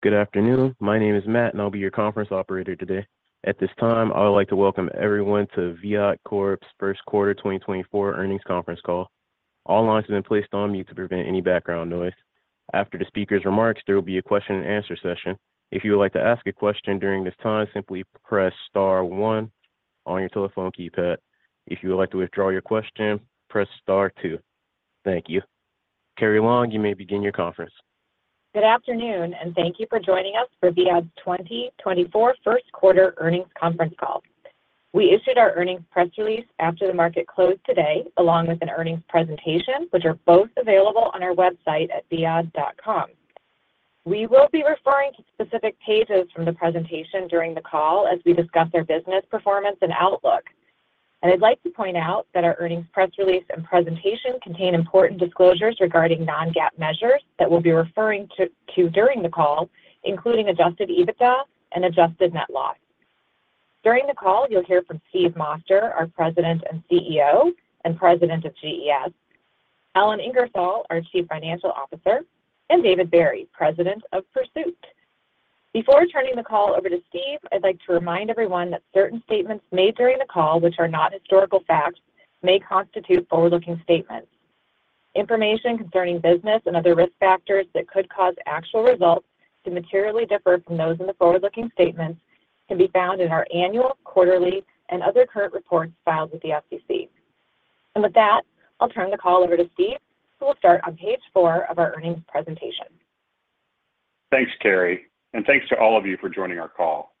Good afternoon. My name is Matt, and I'll be your conference operator today. At this time, I would like to welcome everyone to Viad Corp's first quarter 2024 earnings conference call. All lines have been placed on mute to prevent any background noise. After the speaker's remarks, there will be a question and answer session. If you would like to ask a question during this time, simply press star one on your telephone keypad. If you would like to withdraw your question, press star two. Thank you. Carrie Long, you may begin your conference. Good afternoon, and thank you for joining us for Viad's 2024 first quarter earnings conference call. We issued our earnings press release after the market closed today, along with an earnings presentation, which are both available on our website at viad.com. We will be referring to specific pages from the presentation during the call as we discuss our business performance and outlook. I'd like to point out that our earnings press release and presentation contain important disclosures regarding non-GAAP measures that we'll be referring to during the call, including adjusted EBITDA and adjusted net loss. During the call, you'll hear from Steve Moster, our President and Chief Executive Officer and President of GES. Ellen Ingersoll, our Chief Financial Officer. And David Barry, President of Pursuit. Before turning the call over to Steve, I'd like to remind everyone that certain statements made during the call, which are not historical facts, may constitute forward-looking statements. Information concerning business and other risk factors that could cause actual results to materially differ from those in the forward-looking statements can be found in our annual, quarterly, and other current reports filed with the SEC. With that, I'll turn the call over to Steve, who will start on page four of our earnings presentation. Thanks, Carrie, and thanks to all of you for joining our call.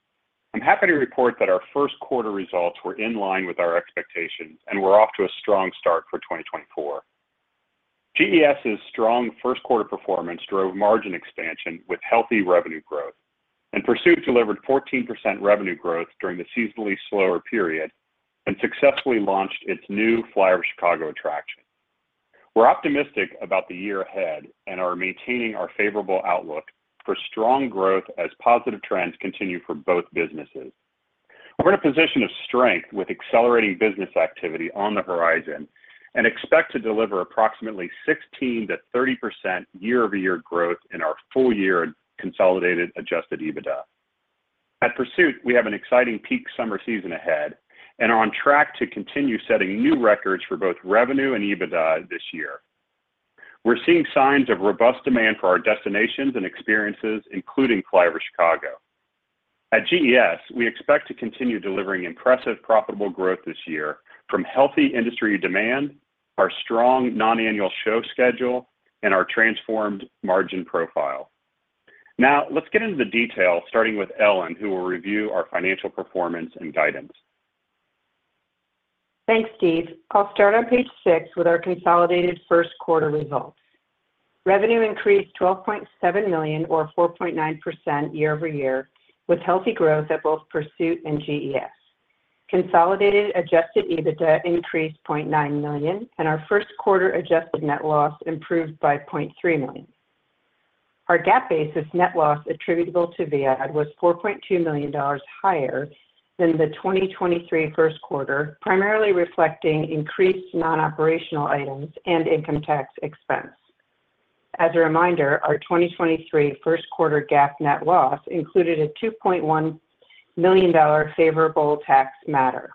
I'm happy to report that our first quarter results were in line with our expectations, and we're off to a strong start for 2024. GES' strong first quarter performance drove margin expansion with healthy revenue growth, and Pursuit delivered 14% revenue growth during the seasonally slower period and successfully launched its new FlyOver Chicago attraction. We're optimistic about the year ahead and are maintaining our favorable outlook for strong growth as positive trends continue for both businesses. We're in a position of strength with accelerating business activity on the horizon and expect to deliver approximately 16%-30% year-over-year growth in our full-year consolidated adjusted EBITDA. At Pursuit, we have an exciting peak summer season ahead and are on track to continue setting new records for both revenue and EBITDA this year. We're seeing signs of robust demand for our destinations and experiences, including FlyOver Chicago. At GES, we expect to continue delivering impressive, profitable growth this year from healthy industry demand, our strong non-annual show schedule, and our transformed margin profile. Now, let's get into the details, starting with Ellen, who will review our financial performance and guidance. Thanks, Steve. I'll start on page six with our consolidated first quarter results. Revenue increased $12.7 million or 4.9% year-over-year, with healthy growth at both Pursuit and GES. Consolidated adjusted EBITDA increased $0.9 million, and our first quarter adjusted net loss improved by $0.3 million. Our GAAP-basis net loss attributable to Viad was $4.2 million higher than the 2023 first quarter, primarily reflecting increased non-operational items and income tax expense. As a reminder, our 2023 first quarter GAAP net loss included a $2.1 million favorable tax matter.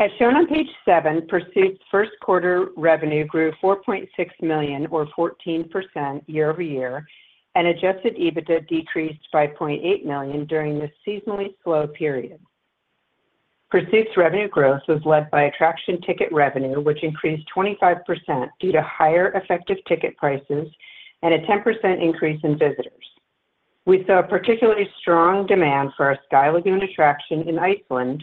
As shown on page seven, Pursuit's first quarter revenue grew $4.6 million, or 14% year-over-year, and adjusted EBITDA decreased by $0.8 million during this seasonally slow period. Pursuit's revenue growth was led by attraction ticket revenue, which increased 25% due to higher effective ticket prices and a 10% increase in visitors. We saw a particularly strong demand for our Sky Lagoon attraction in Iceland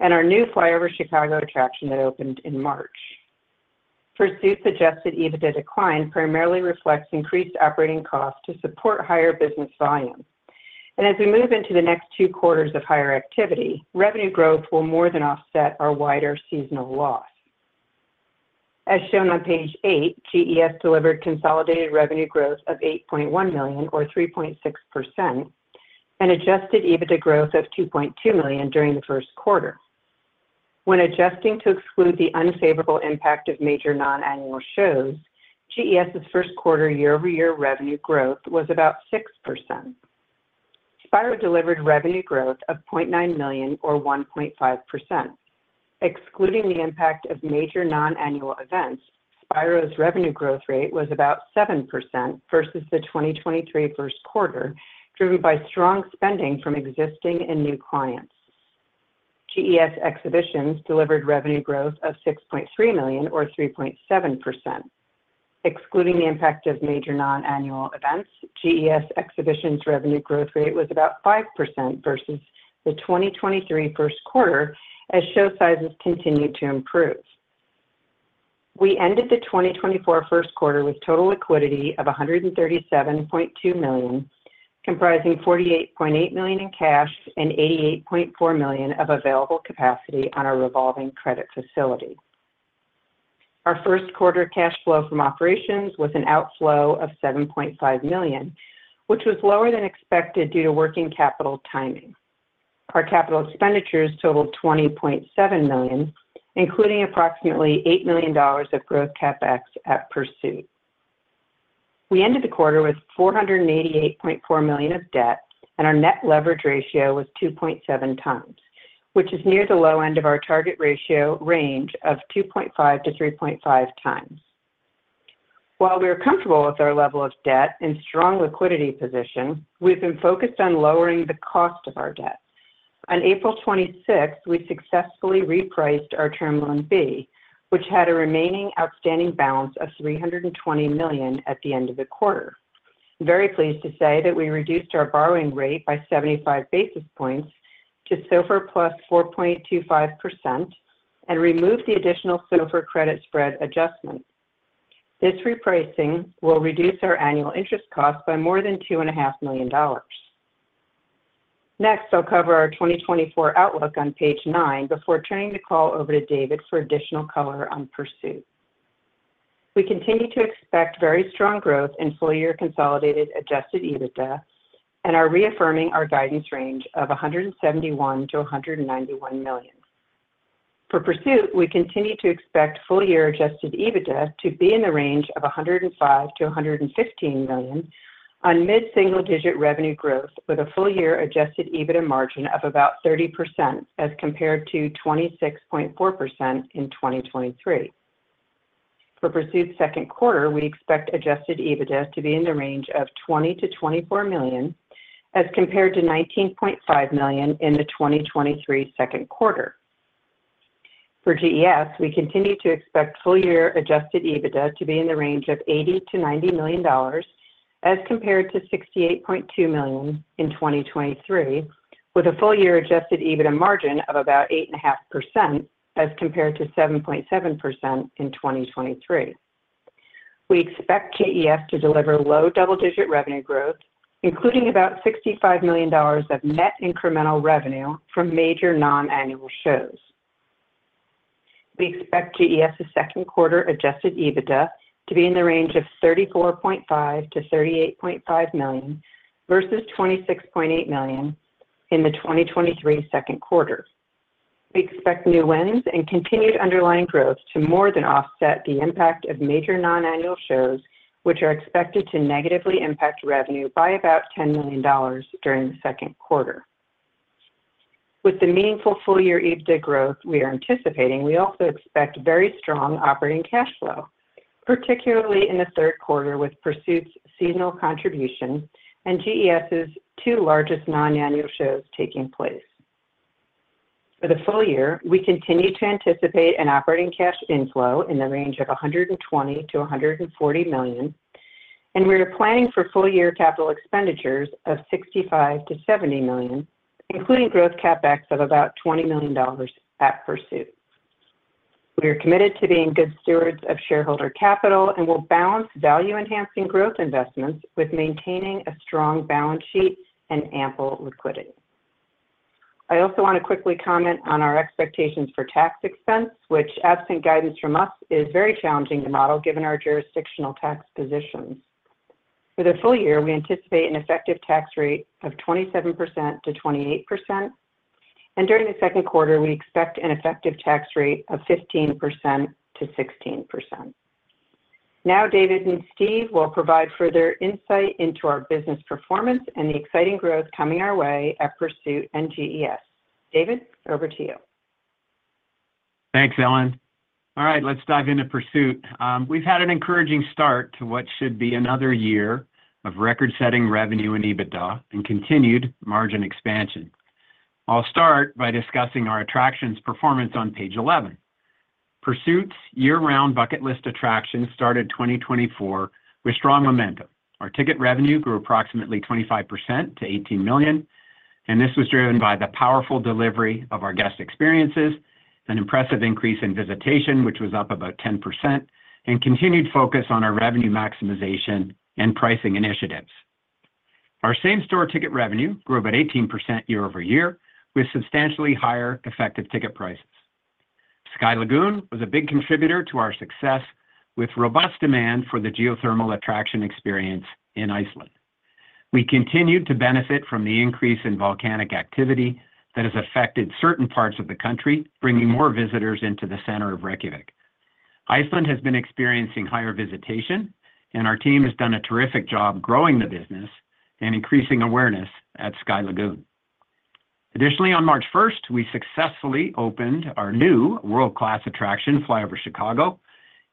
and our new FlyOver Chicago attraction that opened in March. Pursuit's adjusted EBITDA decline primarily reflects increased operating costs to support higher business volumes. And as we move into the next two quarters of higher activity, revenue growth will more than offset our wider seasonal loss. As shown on page eight, GES delivered consolidated revenue growth of $8.1 million, or 3.6%, and adjusted EBITDA growth of $2.2 million during the first quarter. When adjusting to exclude the unfavorable impact of major non-annual shows, GES' first quarter year-over-year revenue growth was about 6%. Spiro delivered revenue growth of $0.9 million, or 1.5%. Excluding the impact of major non-annual events, Spiro's revenue growth rate was about 7% versus the 2023 first quarter, driven by strong spending from existing and new clients. GES Exhibitions delivered revenue growth of $6.3 million, or 3.7%. Excluding the impact of major non-annual events, GES Exhibitions' revenue growth rate was about 5% versus the 2023 first quarter as show sizes continued to improve. We ended the 2024 first quarter with total liquidity of $137.2 million, comprising $48.8 million in cash and $88.4 million of available capacity on our revolving credit facility. Our first quarter cash flow from operations was an outflow of $7.5 million, which was lower than expected due to working capital timing.... Our capital expenditures totaled $20.7 million, including approximately $8 million of growth CapEx at Pursuit. We ended the quarter with $488.4 million of debt, and our net leverage ratio was 2.7 times, which is near the low end of our target ratio range of 2.5-3.5 times. While we are comfortable with our level of debt and strong liquidity position, we've been focused on lowering the cost of our debt. On April 26th, we successfully repriced our Term Loan B, which had a remaining outstanding balance of $320 million at the end of the quarter. I'm very pleased to say that we reduced our borrowing rate by 75 basis points to SOFR plus 4.25% and removed the additional SOFR credit spread adjustment. This repricing will reduce our annual interest costs by more than $2.5 million. Next, I'll cover our 2024 outlook on page nine before turning the call over to David for additional color on Pursuit. We continue to expect very strong growth in full-year consolidated Adjusted EBITDA and are reaffirming our guidance range of $171 million-$191 million. For Pursuit, we continue to expect full-year Adjusted EBITDA to be in the range of $105 million-$115 million on mid-single-digit revenue growth, with a full-year Adjusted EBITDA margin of about 30%, as compared to 26.4% in 2023. For Pursuit's second quarter, we expect Adjusted EBITDA to be in the range of $20 million-$24 million, as compared to $19.5 million in the 2023 second quarter. For GES, we continue to expect full-year adjusted EBITDA to be in the range of $80 million-$90 million, as compared to $68.2 million in 2023, with a full-year adjusted EBITDA margin of about 8.5%, as compared to 7.7% in 2023. We expect GES to deliver low double-digit revenue growth, including about $65 million of net incremental revenue from major non-annual shows. We expect GES's second quarter adjusted EBITDA to be in the range of $34.5 million-$38.5 million versus $26.8 million in the 2023 second quarter. We expect new wins and continued underlying growth to more than offset the impact of major non-annual shows, which are expected to negatively impact revenue by about $10 million during the second quarter. With the meaningful full-year EBITDA growth we are anticipating, we also expect very strong operating cash flow, particularly in the third quarter, with Pursuit's seasonal contribution and GES's two largest non-annual shows taking place. For the full year, we continue to anticipate an operating cash inflow in the range of $120 million-$140 million, and we're planning for full-year capital expenditures of $65 million-$70 million, including growth CapEx of about $20 million at Pursuit. We are committed to being good stewards of shareholder capital and will balance value-enhancing growth investments with maintaining a strong balance sheet and ample liquidity. I also want to quickly comment on our expectations for tax expense, which, absent guidance from us, is very challenging to model, given our jurisdictional tax positions. For the full year, we anticipate an effective tax rate of 27%-28%, and during the second quarter, we expect an effective tax rate of 15%-16%. Now, David and Steve will provide further insight into our business performance and the exciting growth coming our way at Pursuit and GES. David, over to you. Thanks, Ellen. All right, let's dive into Pursuit. We've had an encouraging start to what should be another year of record-setting revenue and EBITDA and continued margin expansion. I'll start by discussing our attractions performance on page 11. Pursuit's year-round bucket list attractions started 2024 with strong momentum. Our ticket revenue grew approximately 25% to $18 million, and this was driven by the powerful delivery of our guest experiences, an impressive increase in visitation, which was up about 10%, and continued focus on our revenue maximization and pricing initiatives. Our same-store ticket revenue grew about 18% year-over-year, with substantially higher effective ticket prices. Sky Lagoon was a big contributor to our success, with robust demand for the geothermal attraction experience in Iceland. We continued to benefit from the increase in volcanic activity that has affected certain parts of the country, bringing more visitors into the center of Reykjavik. Iceland has been experiencing higher visitation, and our team has done a terrific job growing the business and increasing awareness at Sky Lagoon. Additionally, on March first, we successfully opened our new world-class attraction, FlyOver Chicago.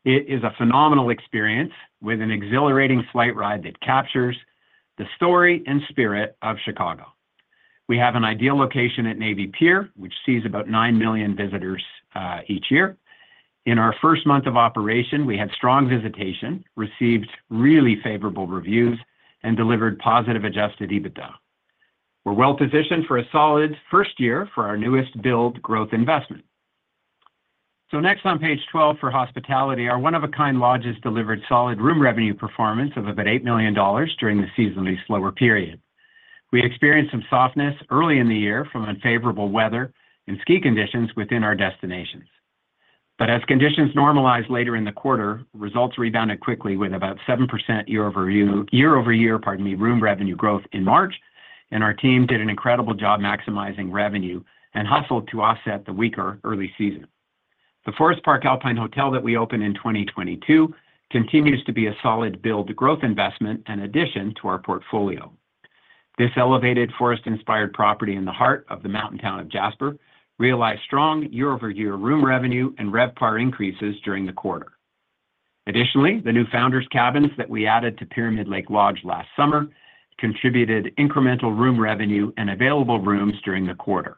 It is a phenomenal experience with an exhilarating flight ride that captures the story and spirit of Chicago. We have an ideal location at Navy Pier, which sees about 9 million visitors each year. In our first month of operation, we had strong visitation, received really favorable reviews, and delivered positive adjusted EBITDA. We're well-positioned for a solid first year for our newest build growth investment. So next on page 12 for hospitality, our one-of-a-kind lodges delivered solid room revenue performance of about $8 million during the seasonally slower period. We experienced some softness early in the year from unfavorable weather and ski conditions within our destinations. But as conditions normalized later in the quarter, results rebounded quickly with about 7% year-over-year, year-over-year, pardon me, room revenue growth in March, and our team did an incredible job maximizing revenue and hustled to offset the weaker early season. The Forest Park Alpine Hotel that we opened in 2022 continues to be a solid build-to-growth investment and addition to our portfolio. This elevated forest-inspired property in the heart of the mountain town of Jasper realized strong year-over-year room revenue and RevPAR increases during the quarter. Additionally, the new Founders Cabins that we added to Pyramid Lake Lodge last summer contributed incremental room revenue and available rooms during the quarter.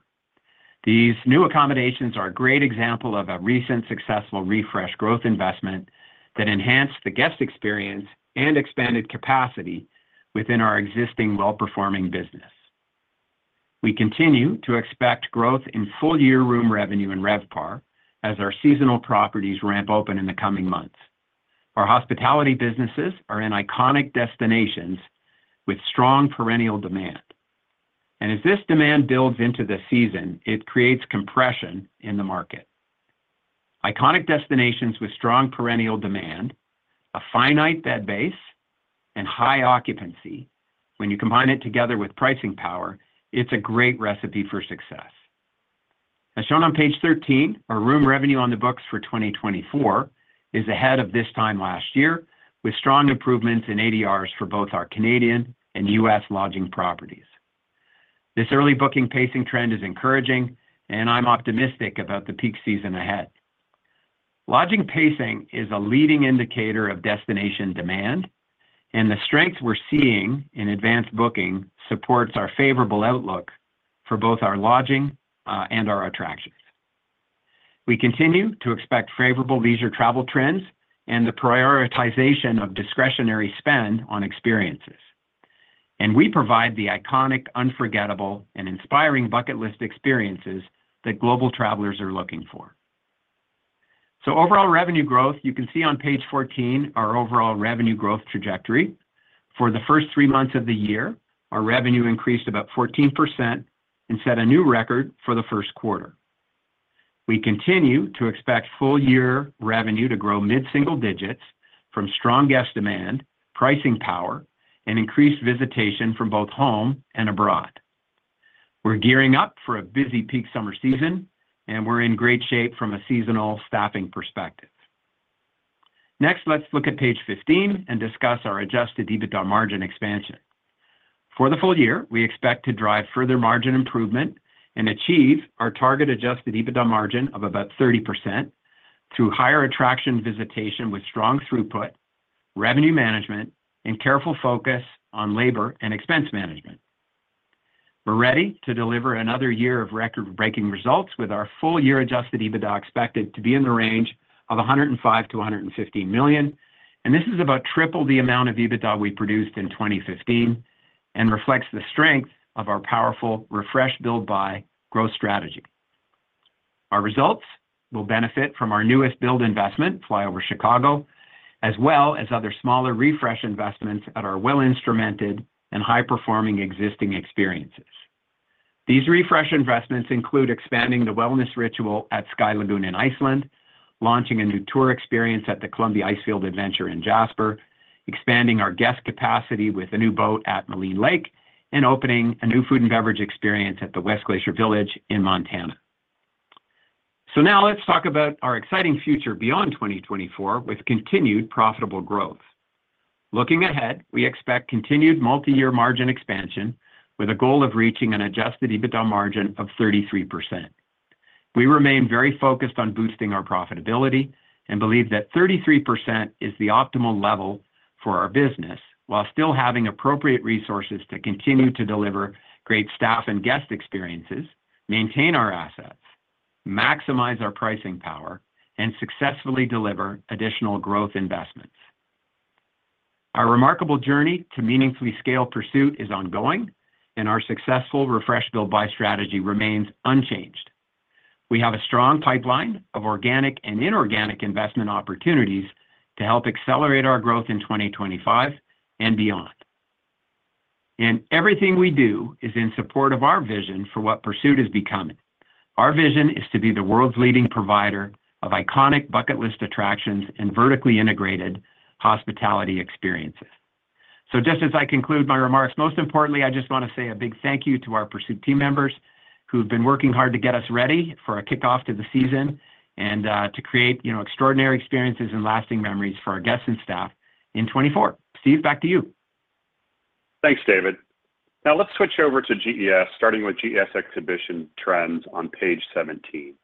These new accommodations are a great example of a recent successful refresh growth investment that enhanced the guest experience and expanded capacity within our existing well-performing business. We continue to expect growth in full-year room revenue and RevPAR as our seasonal properties ramp open in the coming months. Our hospitality businesses are in iconic destinations with strong perennial demand, and as this demand builds into the season, it creates compression in the market. Iconic destinations with strong perennial demand, a finite bed base, and high occupancy, when you combine it together with pricing power, it's a great recipe for success. As shown on page 13, our room revenue on the books for 2024 is ahead of this time last year, with strong improvements in ADRs for both our Canadian and U.S. lodging properties. This early booking pacing trend is encouraging, and I'm optimistic about the peak season ahead. Lodging pacing is a leading indicator of destination demand, and the strength we're seeing in advanced booking supports our favorable outlook for both our lodging, and our attractions. We continue to expect favorable leisure travel trends and the prioritization of discretionary spend on experiences, and we provide the iconic, unforgettable, and inspiring bucket list experiences that global travelers are looking for. So overall revenue growth, you can see on page 14 our overall revenue growth trajectory. For the first 3 months of the year, our revenue increased about 14% and set a new record for the first quarter. We continue to expect full-year revenue to grow mid-single digits from strong guest demand, pricing power, and increased visitation from both home and abroad. We're gearing up for a busy peak summer season, and we're in great shape from a seasonal staffing perspective. Next, let's look at page 15 and discuss our Adjusted EBITDA margin expansion. For the full year, we expect to drive further margin improvement and achieve our target Adjusted EBITDA margin of about 30% through higher attraction visitation with strong throughput, revenue management, and careful focus on labor and expense management. We're ready to deliver another year of record-breaking results with our full-year adjusted EBITDA expected to be in the range of $105 million-$150 million, and this is about triple the amount of EBITDA we produced in 2015 and reflects the strength of our powerful Refresh, Build, Buy growth strategy. Our results will benefit from our newest build investment, FlyOver Chicago, as well as other smaller refresh investments at our well-instrumented and high-performing existing experiences. These refresh investments include expanding the wellness ritual at Sky Lagoon in Iceland, launching a new tour experience at the Columbia Icefield Adventure in Jasper, expanding our guest capacity with a new boat at Maligne Lake, and opening a new food and beverage experience at the West Glacier Village in Montana. So now let's talk about our exciting future beyond 2024 with continued profitable growth. Looking ahead, we expect continued multiyear margin expansion with a goal of reaching an Adjusted EBITDA margin of 33%. We remain very focused on boosting our profitability and believe that 33% is the optimal level for our business, while still having appropriate resources to continue to deliver great staff and guest experiences, maintain our assets, maximize our pricing power, and successfully deliver additional growth investments. Our remarkable journey to meaningfully scale Pursuit is ongoing, and our successful Refresh, Build, Buy strategy remains unchanged. We have a strong pipeline of organic and inorganic investment opportunities to help accelerate our growth in 2025 and beyond. And everything we do is in support of our vision for what Pursuit is becoming. Our vision is to be the world's leading provider of iconic bucket list attractions and vertically integrated hospitality experiences. So just as I conclude my remarks, most importantly, I just want to say a big thank you to our Pursuit team members who've been working hard to get us ready for a kickoff to the season and to create extraordinary experiences and lasting memories for our guests and staff in 2024. Steve, back to you. Thanks, David. Now let's switch over to GES, starting with GES exhibition trends on page 17.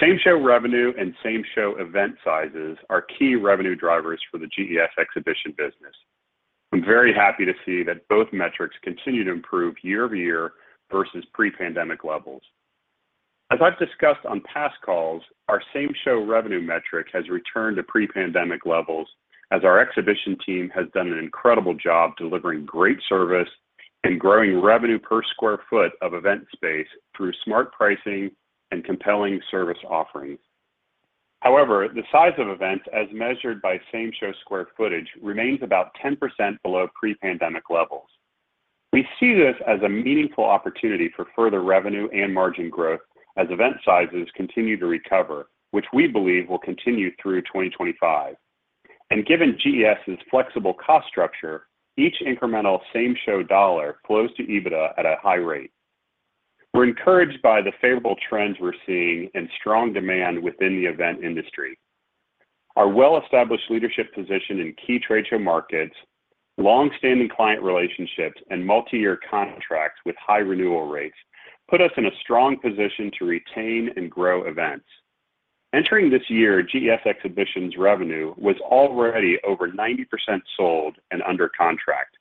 Same-show revenue and same-show event sizes are key revenue drivers for the GES exhibition business. I'm very happy to see that both metrics continue to improve year-over-year versus pre-pandemic levels. As I've discussed on past calls, our same-show revenue metric has returned to pre-pandemic levels as our exhibition team has done an incredible job delivering great service and growing revenue per square foot of event space through smart pricing and compelling service offerings. However, the size of events, as measured by same-show square footage, remains about 10% below pre-pandemic levels. We see this as a meaningful opportunity for further revenue and margin growth as event sizes continue to recover, which we believe will continue through 2025. Given GES's flexible cost structure, each incremental same-show dollar flows to EBITDA at a high rate. We're encouraged by the favorable trends we're seeing and strong demand within the event industry. Our well-established leadership position in key trade show markets, long-standing client relationships, and multi-year contracts with high renewal rates put us in a strong position to retain and grow events. Entering this year, GES Exhibitions revenue was already over 90% sold and under contract.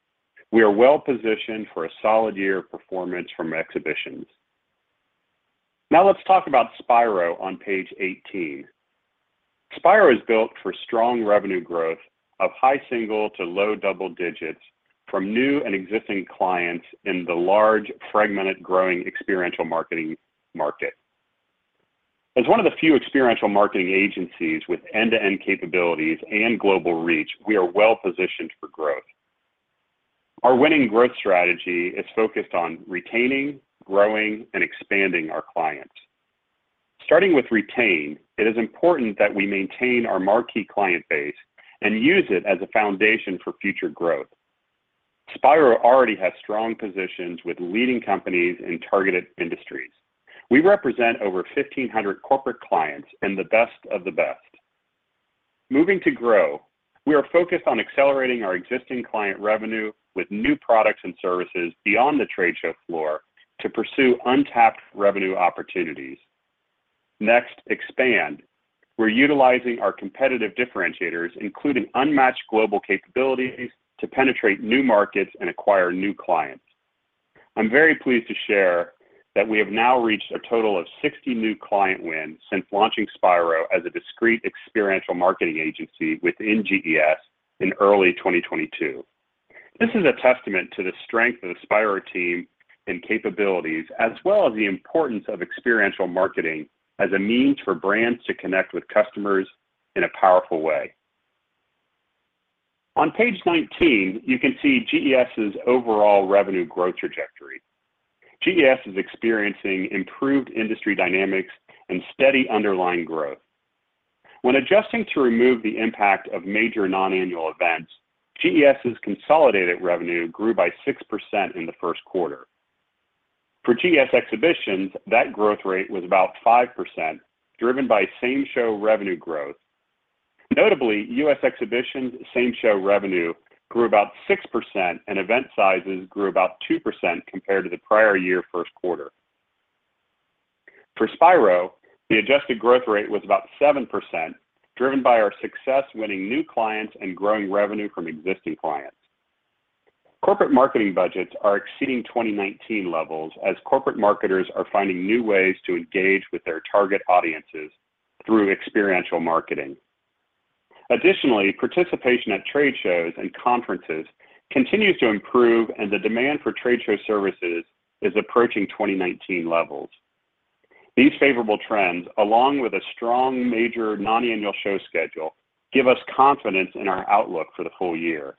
We are well-positioned for a solid year of performance from exhibitions. Now let's talk about Spiro on page 18. Spiro is built for strong revenue growth of high single- to low double-digit from new and existing clients in the large, fragmented, growing experiential marketing market. As one of the few experiential marketing agencies with end-to-end capabilities and global reach, we are well-positioned for growth. Our winning growth strategy is focused on retaining, growing, and expanding our clients. Starting with retain, it is important that we maintain our marquee client base and use it as a foundation for future growth. Spiro already has strong positions with leading companies in targeted industries. We represent over 1,500 corporate clients and the best of the best. Moving to grow, we are focused on accelerating our existing client revenue with new products and services beyond the trade show floor to pursue untapped revenue opportunities. Next, expand. We're utilizing our competitive differentiators, including unmatched global capabilities, to penetrate new markets and acquire new clients. I'm very pleased to share that we have now reached a total of 60 new client wins since launching Spiro as a discrete experiential marketing agency within GES in early 2022. This is a testament to the strength of the Spiro team and capabilities, as well as the importance of experiential marketing as a means for brands to connect with customers in a powerful way. On page 19, you can see GES's overall revenue growth trajectory. GES is experiencing improved industry dynamics and steady underlying growth. When adjusting to remove the impact of major non-annual events, GES's consolidated revenue grew by 6% in the first quarter. For GES Exhibitions, that growth rate was about 5%, driven by same-show revenue growth. Notably, US Exhibitions same-show revenue grew about 6%, and event sizes grew about 2% compared to the prior year first quarter. For Spiro, the adjusted growth rate was about 7%, driven by our success winning new clients and growing revenue from existing clients. Corporate marketing budgets are exceeding 2019 levels, as corporate marketers are finding new ways to engage with their target audiences through experiential marketing. Additionally, participation at trade shows and conferences continues to improve, and the demand for trade show services is approaching 2019 levels. These favorable trends, along with a strong major non-annual show schedule, give us confidence in our outlook for the whole year.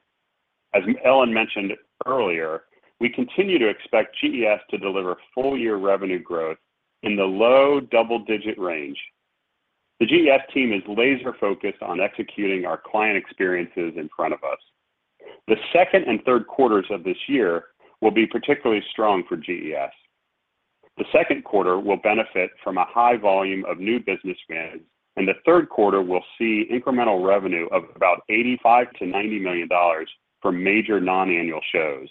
As Ellen mentioned earlier, we continue to expect GES to deliver full-year revenue growth in the low double-digit range. The GES team is laser-focused on executing our client experiences in front of us. The second and third quarters of this year will be particularly strong for GES. The second quarter will benefit from a high volume of new business wins, and the third quarter will see incremental revenue of about $85 million-$90 million from major non-annual shows.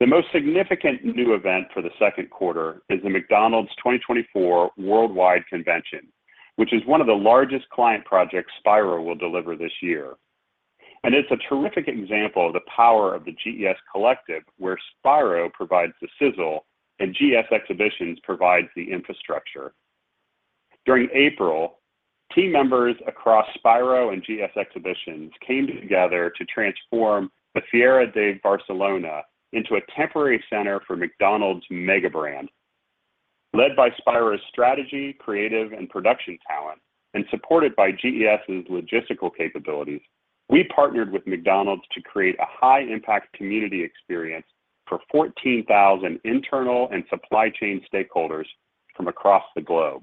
The most significant new event for the second quarter is the McDonald's 2024 Worldwide Convention, which is one of the largest client projects Spiro will deliver this year. It's a terrific example of the power of the GES collective, where Spiro provides the sizzle and GES Exhibitions provides the infrastructure. During April, team members across Spiro and GES Exhibitions came together to transform the Fira de Barcelona into a temporary center for McDonald's mega brand. Led by Spiro's strategy, creative, and production talent, and supported by GES's logistical capabilities, we partnered with McDonald's to create a high-impact community experience for 14,000 internal and supply chain stakeholders from across the globe.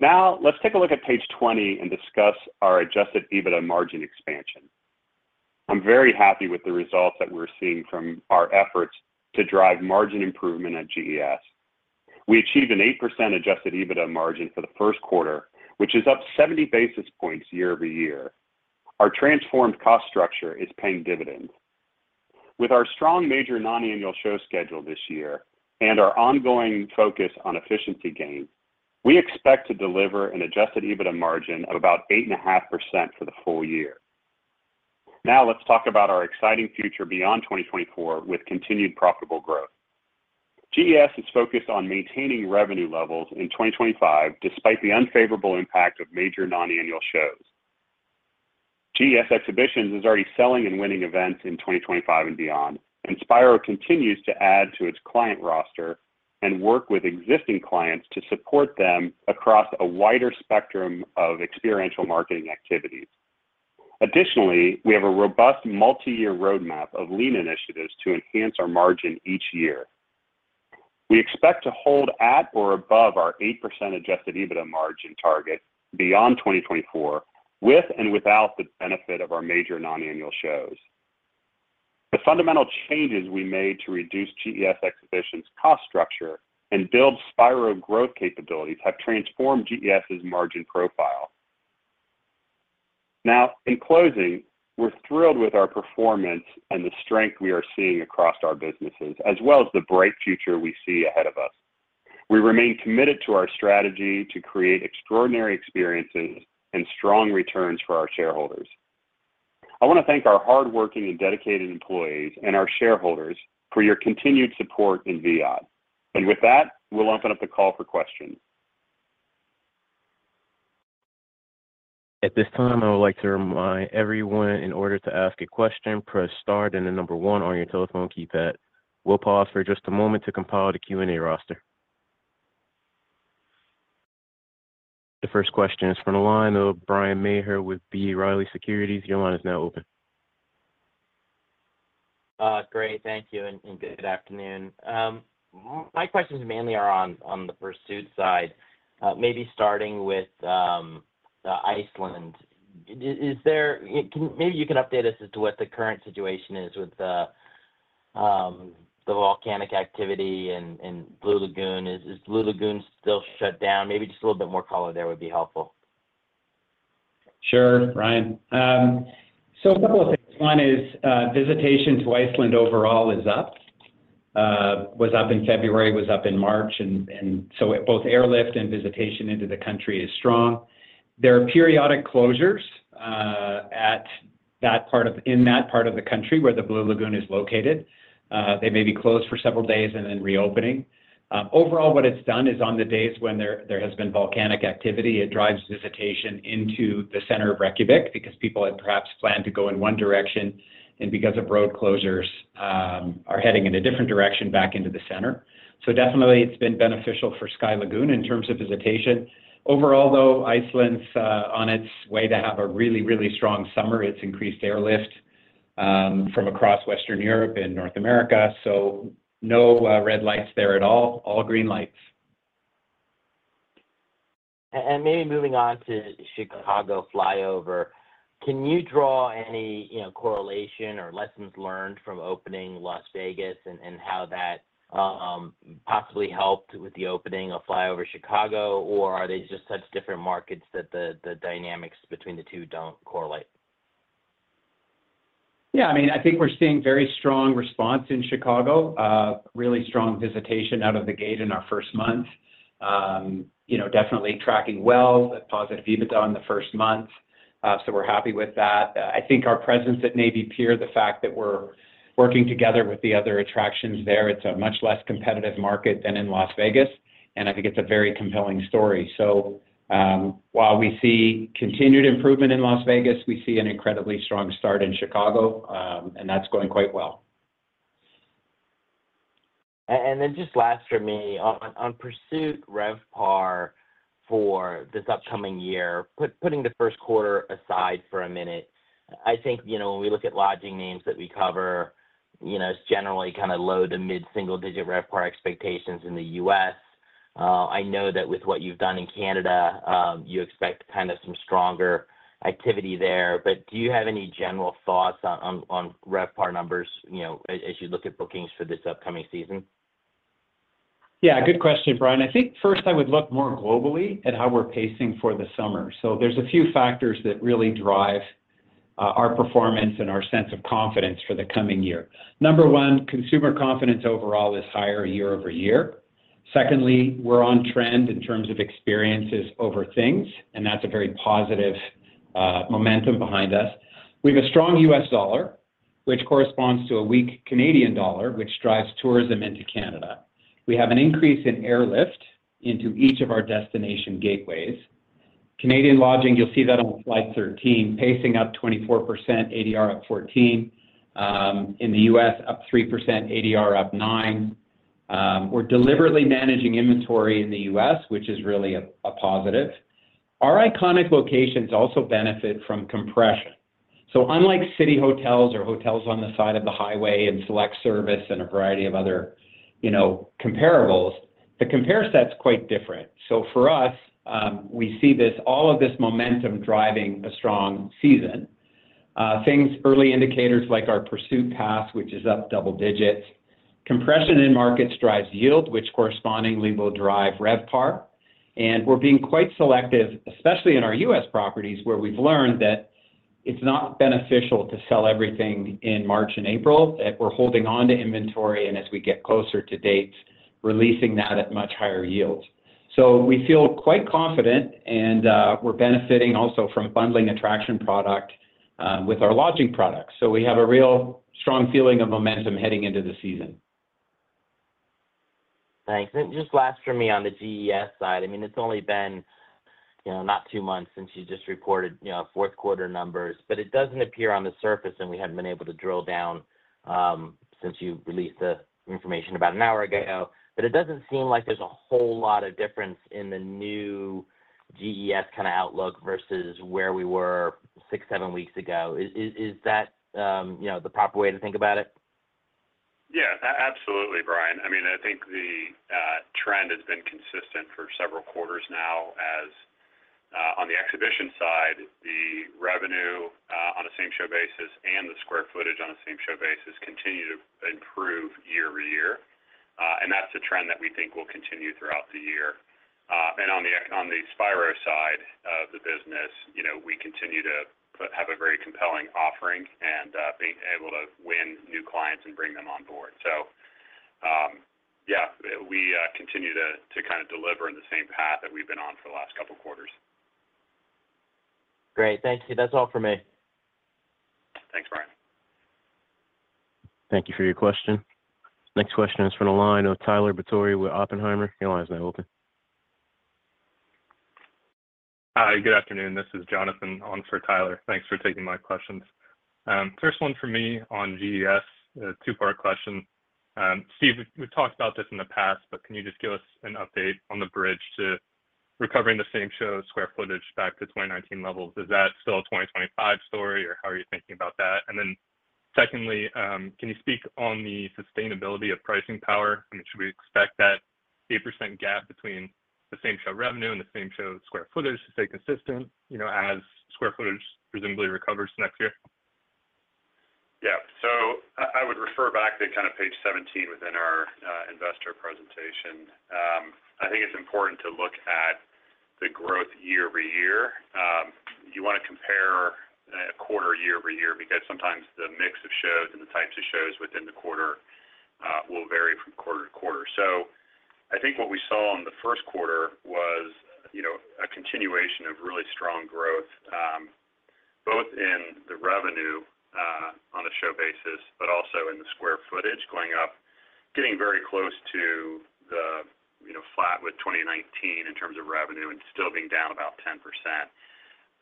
Now, let's take a look at page 20 and discuss our Adjusted EBITDA margin expansion. I'm very happy with the results that we're seeing from our efforts to drive margin improvement at GES. We achieved an 8% adjusted EBITDA margin for the first quarter, which is up 70 basis points year-over-year. Our transformed cost structure is paying dividends. With our strong major non-annual show schedule this year and our ongoing focus on efficiency gains, we expect to deliver an adjusted EBITDA margin of about 8.5% for the full year. Now, let's talk about our exciting future beyond 2024 with continued profitable growth. GES is focused on maintaining revenue levels in 2025, despite the unfavorable impact of major non-annual shows. GES Exhibitions is already selling and winning events in 2025 and beyond, and Spiro continues to add to its client roster-... and work with existing clients to support them across a wider spectrum of experiential marketing activities. Additionally, we have a robust multi-year roadmap of lean initiatives to enhance our margin each year. We expect to hold at or above our 8% adjusted EBITDA margin target beyond 2024, with and without the benefit of our major non-annual shows. The fundamental changes we made to reduce GES Exhibitions cost structure and build Spiro growth capabilities have transformed GES's margin profile. Now, in closing, we're thrilled with our performance and the strength we are seeing across our businesses, as well as the bright future we see ahead of us. We remain committed to our strategy to create extraordinary experiences and strong returns for our shareholders. I want to thank our hardworking and dedicated employees and our shareholders for your continued support in Viad. With that, we'll open up the call for questions. At this time, I would like to remind everyone, in order to ask a question, press star and the number one on your telephone keypad. We'll pause for just a moment to compile the Q&A roster. The first question is from the line of Bryan Maher with B. Riley Securities. Your line is now open. Great. Thank you, and good afternoon. My questions mainly are on the Pursuit side, maybe starting with Iceland. Is there... Can you update us as to what the current situation is with the volcanic activity and Blue Lagoon. Is Blue Lagoon still shut down? Maybe just a little bit more color there would be helpful. Sure, Bryan. So a couple of things. One is, visitation to Iceland overall is up. Was up in February, was up in March, and so both airlift and visitation into the country is strong. There are periodic closures, in that part of the country where the Blue Lagoon is located. They may be closed for several days and then reopening. Overall, what it's done is on the days when there has been volcanic activity, it drives visitation into the center of Reykjavik because people had perhaps planned to go in one direction, and because of road closures, are heading in a different direction back into the center. So definitely it's been beneficial for Sky Lagoon in terms of visitation. Overall, though, Iceland's on its way to have a really, really strong summer. It's increased airlift from across Western Europe and North America, so no red lights there at all, all green lights. Maybe moving on to FlyOver Chicago, can you draw any, you know, correlation or lessons learned from opening Las Vegas and how that possibly helped with the opening of FlyOver Chicago? Or are they just such different markets that the dynamics between the two don't correlate? Yeah, I mean, I think we're seeing very strong response in Chicago. Really strong visitation out of the gate in our first month. You know, definitely tracking well, a positive EBITDA on the first month, so we're happy with that. I think our presence at Navy Pier, the fact that we're working together with the other attractions there, it's a much less competitive market than in Las Vegas, and I think it's a very compelling story. So, while we see continued improvement in Las Vegas, we see an incredibly strong start in Chicago, and that's going quite well. And then just last for me, on Pursuit RevPAR for this upcoming year, putting the first quarter aside for a minute, I think, you know, when we look at lodging names that we cover, you know, it's generally kind of low to mid-single digit RevPAR expectations in the U.S. I know that with what you've done in Canada, you expect kind of some stronger activity there, but do you have any general thoughts on RevPAR numbers, you know, as you look at bookings for this upcoming season? Yeah, good question, Bryan. I think first I would look more globally at how we're pacing for the summer. So there's a few factors that really drive our performance and our sense of confidence for the coming year. Number one, consumer confidence overall is higher year-over-year. Secondly, we're on trend in terms of experiences over things, and that's a very positive momentum behind us. We have a strong U.S dollar, which corresponds to a weak Canadian dollar, which drives tourism into Canada. We have an increase in airlift into each of our destination gateways. Canadian lodging, you'll see that on slide 13, pacing up 24%, ADR up 14. In the U.S, up 3%, ADR up 9. We're deliberately managing inventory in the U.S, which is really a positive. Our iconic locations also benefit from compression. So unlike city hotels or hotels on the side of the highway and select service and a variety of other, you know, comparables, the compare set's quite different. So for us, we see this, all of this momentum driving a strong season. Things, early indicators like our Pursuit Pass, which is up double digits. Compression in markets drives yield, which correspondingly will drive RevPAR. And we're being quite selective, especially in our U.S. properties, where we've learned that it's not beneficial to sell everything in March and April, that we're holding on to inventory, and as we get closer to date, releasing that at much higher yields. So we feel quite confident, and, we're benefiting also from bundling attraction product, with our lodging products. So we have a real strong feeling of momentum heading into the season. Thanks. Just last for me on the GES side, I mean, it's only been you know, not two months since you just reported, you know, fourth quarter numbers. But it doesn't appear on the surface, and we haven't been able to drill down since you released the information about an hour ago. But it doesn't seem like there's a whole lot of difference in the new GES kind of outlook versus where we were six, seven weeks ago. Is that, you know, the proper way to think about it? Yeah, absolutely, Bryan. I mean, I think the trend has been consistent for several quarters now, as on the exhibition side, the revenue on a same show basis and the square footage on a same show basis continue to improve year over year. And that's a trend that we think will continue throughout the year. And on the Spiro side of the business, you know, we continue to have a very compelling offering, and being able to win new clients and bring them on board. So, yeah, we continue to kind of deliver in the same path that we've been on for the last couple quarters. Great. Thank you. That's all for me. Thanks, Bryan. Thank you for your question. Next question is from the line of Tyler Batory with Oppenheimer. Your line is now open. Hi, good afternoon. This is Jonathan on for Tyler. Thanks for taking my questions. First one for me on GES, a two-part question. Steve, we've talked about this in the past, but can you just give us an update on the bridge to recovering the same show square footage back to 2019 levels? Is that still a 2025 story, or how are you thinking about that? And then, secondly, can you speak on the sustainability of pricing power? I mean, should we expect that 8% gap between the same show revenue and the same show square footage to stay consistent, you know, as square footage presumably recovers next year? Yeah. So I would refer back to kind of page 17 within our investor presentation. I think it's important to look at the growth year-over-year. You want to compare quarter-year-over-year, because sometimes the mix of shows and the types of shows within the quarter will vary from quarter to quarter. So I think what we saw in the first quarter was, you know, a continuation of really strong growth, both in the revenue on a show basis, but also in the square footage going up, getting very close to the, you know, flat with 2019 in terms of revenue and still being down about 10%.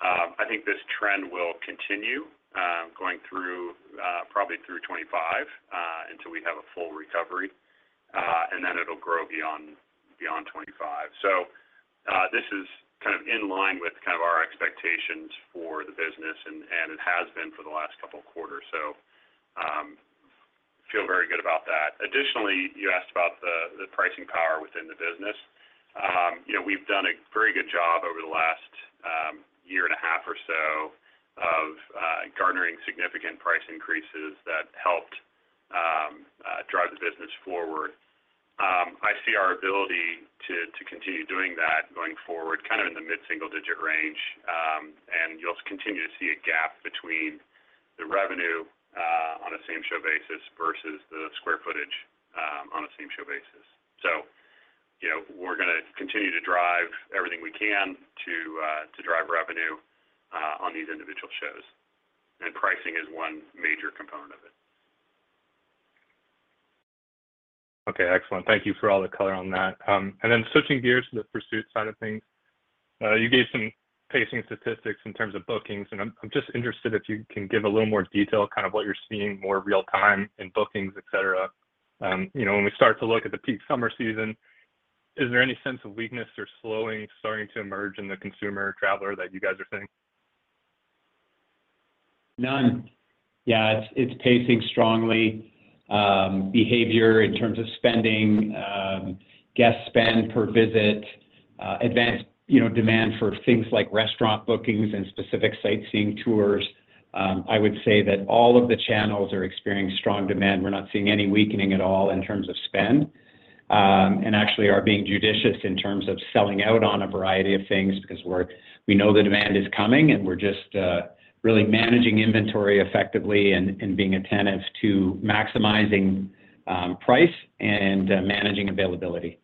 I think this trend will continue going through probably through 2025 until we have a full recovery and then it'll grow beyond 2025. This is kind of in line with kind of our expectations for the business, and it has been for the last couple of quarters, so feel very good about that. Additionally, you asked about the pricing power within the business. You know, we've done a very good job over the last year and a half or so of garnering significant price increases that helped drive the business forward. I see our ability to continue doing that going forward, kind of in the mid-single-digit range. And you'll continue to see a gap between the revenue on a same-show basis versus the square footage on a same-show basis. You know, we're gonna continue to drive everything we can to drive revenue on these individual shows, and pricing is one major component of it. Okay, excellent. Thank you for all the color on that. And then switching gears to the Pursuit side of things. You gave some pacing statistics in terms of bookings, and I'm just interested if you can give a little more detail, kind of what you're seeing, more real time in bookings, et cetera. You know, when we start to look at the peak summer season, is there any sense of weakness or slowing starting to emerge in the consumer traveler that you guys are seeing? None. Yeah, it's pacing strongly, behavior in terms of spending, guest spend per visit, advanced, you know, demand for things like restaurant bookings and specific sightseeing tours. I would say that all of the channels are experiencing strong demand. We're not seeing any weakening at all in terms of spend, and actually are being judicious in terms of selling out on a variety of things, because we know the demand is coming, and we're just really managing inventory effectively and being attentive to maximizing price and managing availability.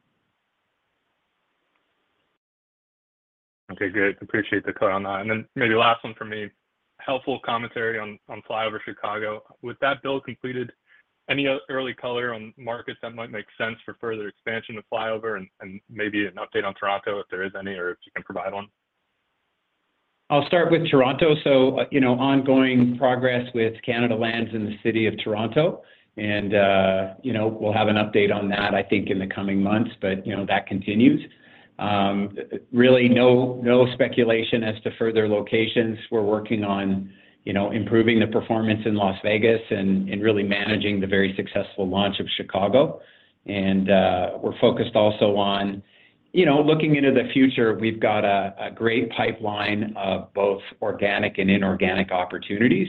Okay, good. Appreciate the color on that. And then maybe last one for me. Helpful commentary on FlyOver Chicago. With that build completed, any early color on markets that might make sense for further expansion of FlyOver and, and maybe an update on Toronto, if there is any, or if you can provide one? I'll start with Toronto. So, you know, ongoing progress with Canada Lands in the city of Toronto, and, you know, we'll have an update on that, I think, in the coming months. But, you know, that continues. Really no, no speculation as to further locations. We're working on, you know, improving the performance in Las Vegas and really managing the very successful launch of Chicago. And, we're focused also on... You know, looking into the future, we've got a great pipeline of both organic and inorganic opportunities,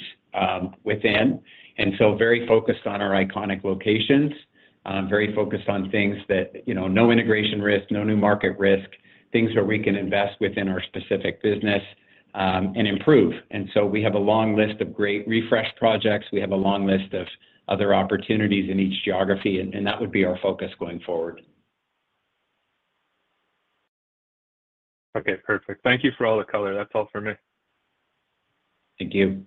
within. And so very focused on our iconic locations, very focused on things that, you know, no integration risk, no new market risk, things that we can invest within our specific business, and improve. And so we have a long list of great refresh projects. We have a long list of other opportunities in each geography, and that would be our focus going forward. Okay, perfect. Thank you for all the color. That's all for me.... Thank you.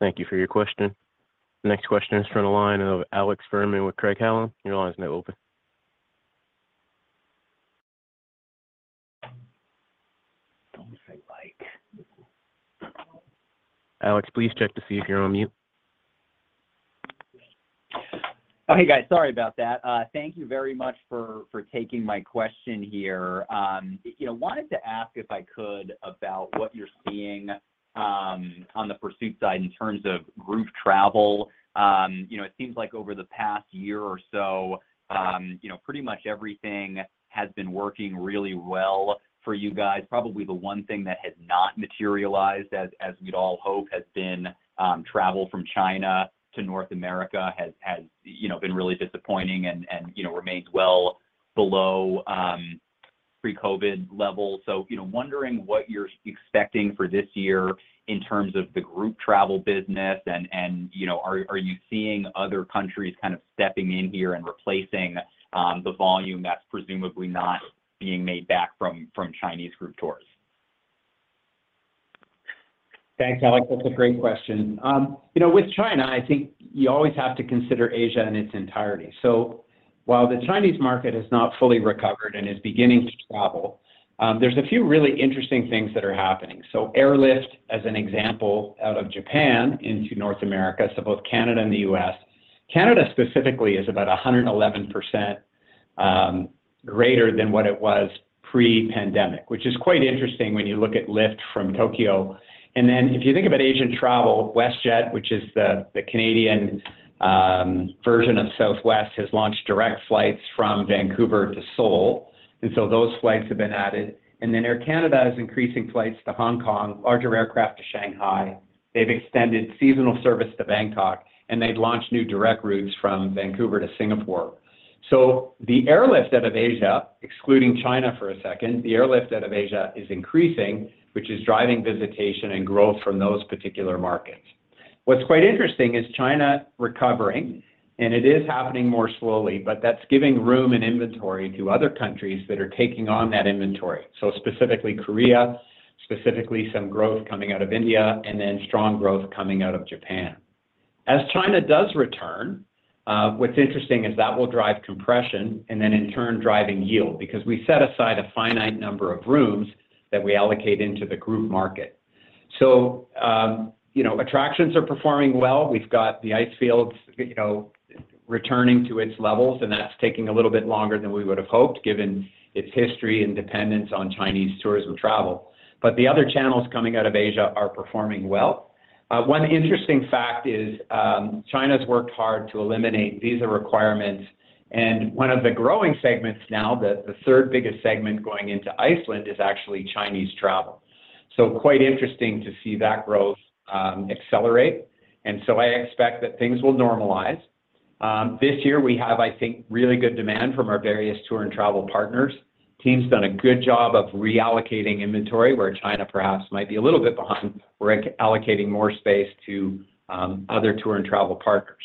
Thank you for your question. The next question is from the line of Alex Fuhrman with Craig-Hallum. Your line is now open. Don't say like. Alex, please check to see if you're on mute. Hey, guys, sorry about that. Thank you very much for taking my question here. You know, wanted to ask, if I could, about what you're seeing on the Pursuit side in terms of group travel. You know, it seems like over the past year or so, you know, pretty much everything has been working really well for you guys. Probably the one thing that has not materialized as we'd all hope has been travel from China to North America has, you know, been really disappointing and, you know, remains well below pre-COVID levels. You know, wondering what you're expecting for this year in terms of the group travel business and, you know, are you seeing other countries kind of stepping in here and replacing the volume that's presumably not being made back from Chinese group tours? Thanks, Alex. That's a great question. You know, with China, I think you always have to consider Asia in its entirety. So while the Chinese market has not fully recovered and is beginning to travel, there's a few really interesting things that are happening. So airlift, as an example, out of Japan into North America, so both Canada and the U.S. Canada specifically is about 111% greater than what it was pre-pandemic, which is quite interesting when you look at lift from Tokyo. And then if you think about Asian travel, WestJet, which is the Canadian version of Southwest, has launched direct flights from Vancouver to Seoul, and so those flights have been added. And then Air Canada is increasing flights to Hong Kong, larger aircraft to Shanghai. They've extended seasonal service to Bangkok, and they've launched new direct routes from Vancouver to Singapore. So the airlift out of Asia, excluding China for a second, the airlift out of Asia is increasing, which is driving visitation and growth from those particular markets. What's quite interesting is China recovering, and it is happening more slowly, but that's giving room and inventory to other countries that are taking on that inventory. So specifically Korea, specifically some growth coming out of India, and then strong growth coming out of Japan. As China does return, what's interesting is that will drive compression and then in turn, driving yield, because we set aside a finite number of rooms that we allocate into the group market. So, you know, attractions are performing well. We've got the Ice Fields, you know, returning to its levels, and that's taking a little bit longer than we would have hoped, given its history and dependence on Chinese tourism travel. But the other channels coming out of Asia are performing well. One interesting fact is, China's worked hard to eliminate visa requirements, and one of the growing segments now, the third biggest segment going into Iceland is actually Chinese travel. So quite interesting to see that growth accelerate, and so I expect that things will normalize. This year we have, I think, really good demand from our various tour and travel partners. Team's done a good job of reallocating inventory, where China perhaps might be a little bit behind. We're allocating more space to other tour and travel partners.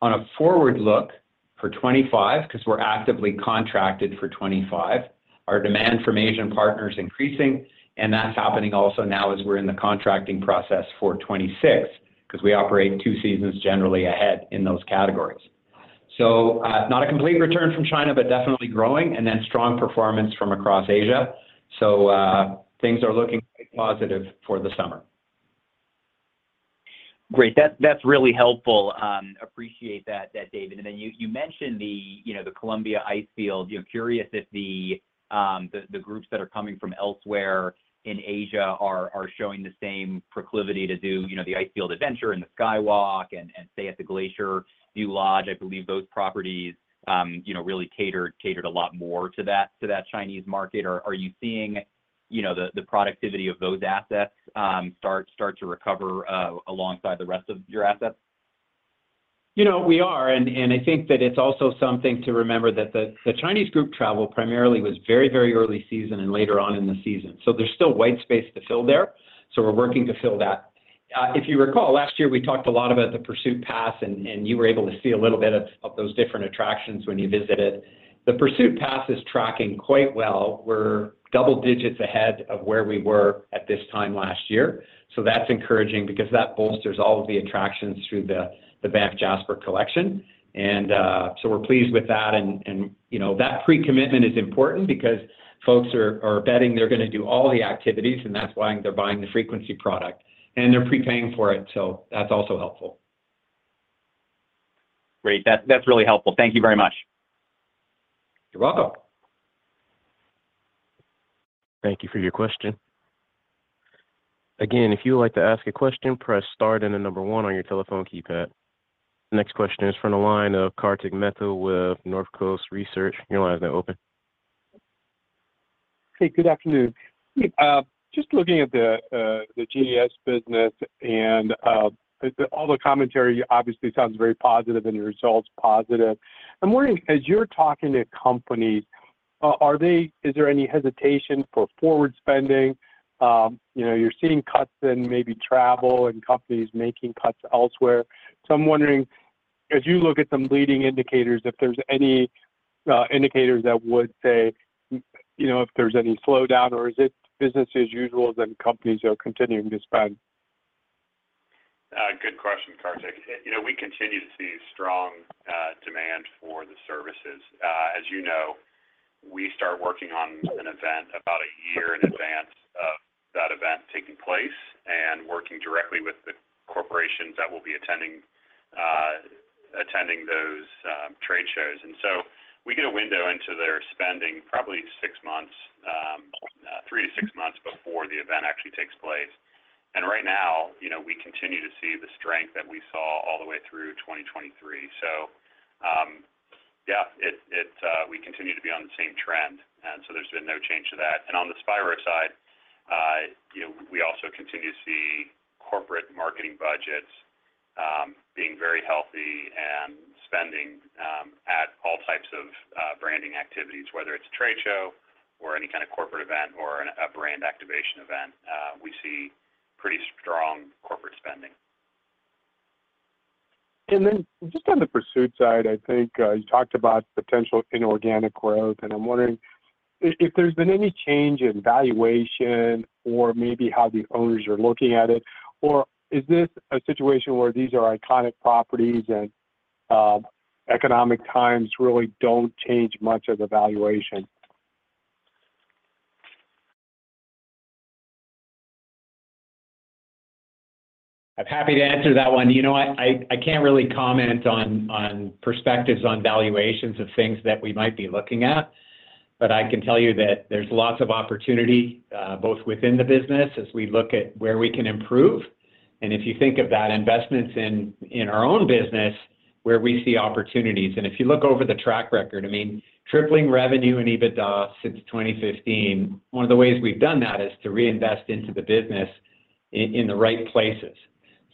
On a forward look for 25, because we're actively contracted for 25, our demand from Asian partners is increasing, and that's happening also now as we're in the contracting process for 26, because we operate two seasons, generally ahead in those categories. So, not a complete return from China, but definitely growing and then strong performance from across Asia. So, things are looking quite positive for the summer. Great. That's really helpful. Appreciate that, David. And then you mentioned the, you know, the Columbia Icefield. I'm curious if the groups that are coming from elsewhere in Asia are showing the same proclivity to do, you know, the Icefield adventure and the Skywalk and stay at the Glacier View Lodge. I believe those properties, you know, really catered a lot more to that Chinese market. Are you seeing, you know, the productivity of those assets start to recover alongside the rest of your assets? You know, we are, and I think that it's also something to remember that the Chinese group travel primarily was very, very early season and later on in the season, so there's still white space to fill there, so we're working to fill that. If you recall, last year we talked a lot about the Pursuit Pass, and you were able to see a little bit of those different attractions when you visited. The Pursuit Pass is tracking quite well. We're double digits ahead of where we were at this time last year. So that's encouraging because that bolsters all of the attractions through the Banff Jasper Collection. So we're pleased with that. You know, that pre-commitment is important because folks are betting they're going to do all the activities, and that's why they're buying the frequency product, and they're prepaying for it, so that's also helpful. Great. That's, that's really helpful. Thank you very much. You're welcome. Thank you for your question. Again, if you would like to ask a question, press star and the number one on your telephone keypad. The next question is from the line of Kartik Mehta with North Coast Research. Your line is now open. Hey, good afternoon. Just looking at the GES business and all the commentary obviously sounds very positive and the results positive. I'm wondering, as you're talking to companies, are they— is there any hesitation for forward spending? You know, you're seeing cuts in maybe travel and companies making cuts elsewhere. So I'm wondering as you look at some leading indicators, if there's any indicators that would say, you know, if there's any slowdown, or is it business as usual, then companies are continuing to spend? Good question, Kartik. You know, we continue to see strong demand for the services. As you know, we start working on an event about a year in advance of that event taking place and working directly with the corporations that will be attending those trade shows. And so we get a window into their spending, probably six months, three to six months before the event actually takes place. And right now, you know, we continue to see the strength that we saw all the way through 2023. So, yeah, we continue to be on the same trend, and so there's been no change to that. On the Spiro side, you know, we also continue to see corporate marketing budgets being very healthy and spending at all types of branding activities, whether it's a trade show or any kind of corporate event or a brand activation event, we see pretty strong corporate spending. Then just on the Pursuit side, I think, you talked about potential inorganic growth, and I'm wondering if, if there's been any change in valuation or maybe how the owners are looking at it, or is this a situation where these are iconic properties and, economic times really don't change much of the valuation? I'm happy to answer that one. You know what? I can't really comment on perspectives on valuations of things that we might be looking at, but I can tell you that there's lots of opportunity both within the business as we look at where we can improve. And if you think of that, investments in our own business, where we see opportunities, and if you look over the track record, I mean, tripling revenue and EBITDA since 2015, one of the ways we've done that is to reinvest into the business in the right places.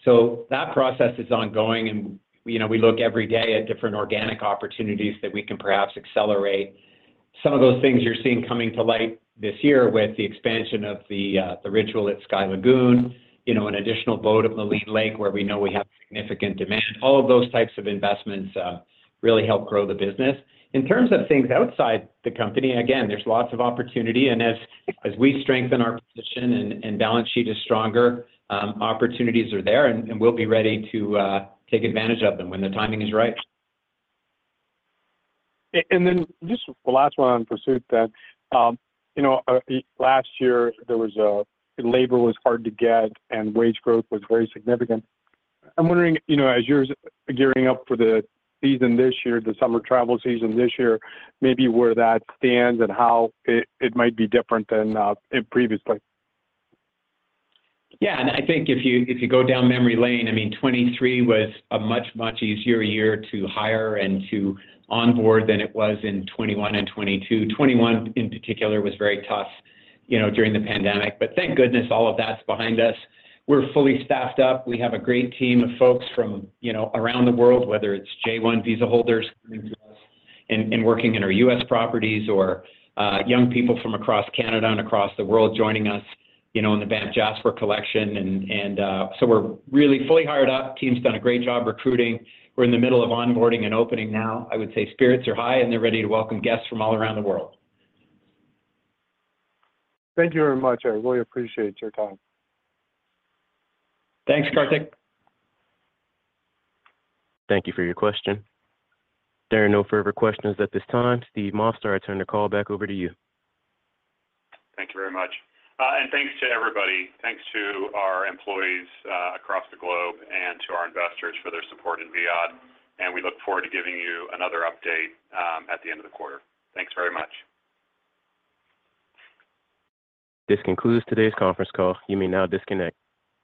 So that process is ongoing, and, you know, we look every day at different organic opportunities that we can perhaps accelerate. Some of those things you're seeing coming to light this year with the expansion of The Ritual at Sky Lagoon, you know, an additional boat of Maligne Lake, where we know we have significant demand. All of those types of investments really help grow the business. In terms of things outside the company, again, there's lots of opportunity, and as we strengthen our position and balance sheet is stronger, opportunities are there, and we'll be ready to take advantage of them when the timing is right. And then just the last one on Pursuit then. You know, last year, there was labor was hard to get, and wage growth was very significant. I'm wondering, you know, as you're gearing up for the season this year, the summer travel season this year, maybe where that stands and how it, it might be different than in previously. Yeah, and I think if you go down memory lane, I mean, 2023 was a much, much easier year to hire and to onboard than it was in 2021 and 2022. 2021, in particular, was very tough, you know, during the pandemic. But thank goodness all of that's behind us. We're fully staffed up. We have a great team of folks from, you know, around the world, whether it's J-1 visa holders coming to us and working in our U.S. properties or young people from across Canada and across the world joining us, you know, in the Banff Jasper Collection. So we're really fully hired up. Team's done a great job recruiting. We're in the middle of onboarding and opening now. I would say spirits are high, and they're ready to welcome guests from all around the world. Thank you very much. I really appreciate your time. Thanks, Kartik. Thank you for your question. There are no further questions at this time. Steve Moster, I turn the call back over to you. Thank you very much. Thanks to everybody. Thanks to our employees across the globe and to our investors for their support in Viad, and we look forward to giving you another update at the end of the quarter. Thanks very much. This concludes today's conference call. You may now disconnect.